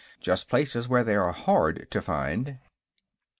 "Just places where things are hard to find."